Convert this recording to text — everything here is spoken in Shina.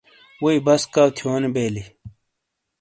ووئی بسکاؤتھیونی بیلی۔